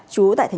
chú tại tp hcm